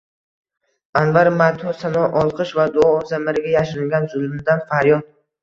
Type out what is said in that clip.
Anvar “Madhu sano, olqish va duo zamiriga yashiringan zulmdan faryod